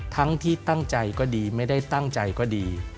ทั้งที่ตั้งใจก็ดีไม่ได้ตั้งใจก็ดี